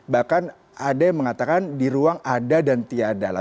bahkan ada yang mengatakan di ruang ada dan tiada